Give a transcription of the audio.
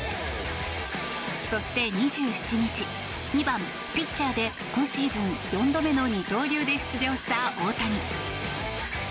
そして２７日２番ピッチャーで今シーズン４度目の二刀流で出場した大谷。